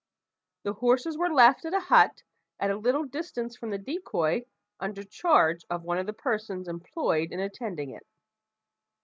The horses were left at a hut at a little distance from the decoy, under charge of one of the persons employed in attending it.